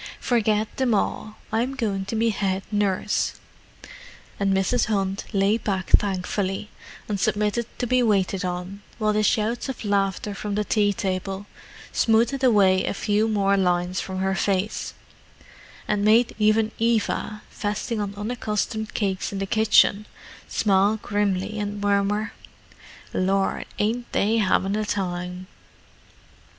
"Forget them all: I'm going to be head nurse." And Mrs. Hunt lay back thankfully, and submitted to be waited on, while the shouts of laughter from the tea table smoothed away a few more lines from her face, and made even Eva, feasting on unaccustomed cakes in the kitchen, smile grimly and murmur, "Lor, ain't they 'avin' a time!"